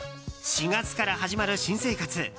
４月から始まる新生活。